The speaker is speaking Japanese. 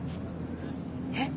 えっ？